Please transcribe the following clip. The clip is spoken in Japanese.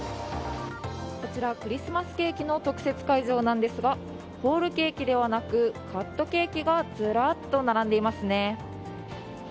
こちら、クリスマスケーキの特設会場なんですがホールケーキではなくカットケーキがずらっと並んでいますね。